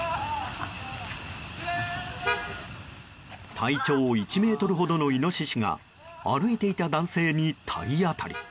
体長１ｍほどのイノシシが歩いていた男性に体当たり。